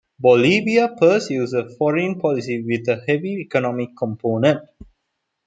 Bolivia pursues a foreign policy with a heavy economic component.